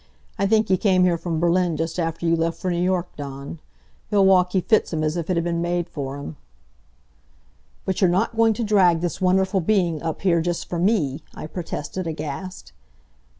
I think he came here from Berlin just after you left for New York, Dawn. Milwaukee fits him as if it had been made for him." "But you're not going to drag this wonderful being up here just for me!" I protested, aghast.